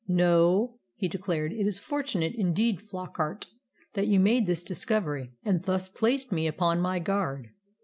"No," he declared. "It is fortunate indeed, Flockart, that you made this discovery, and thus placed me upon my guard."